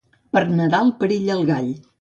Per Nadal perilla el gall.